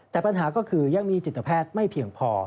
แต่ปัญหาก็คือยังมีจิตแพทย์ไม่เพียงพอ